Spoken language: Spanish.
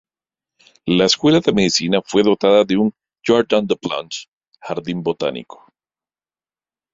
La Escuela de medicina fue dotada de un "Jardin des plantes", Jardín botánico.